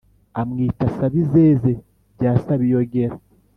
amwita sabizeze bya sabiyogera